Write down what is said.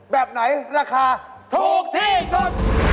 แบบไหนราคาถูกที่สุด